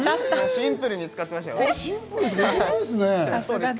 シンプルに使ってました。